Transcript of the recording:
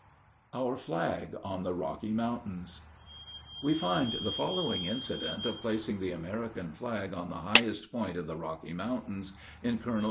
OUR FLAG ON THE ROCKY MOUNTAINS We find the following incident of placing the American flag on the highest point of the Rocky Mountains, in "Col.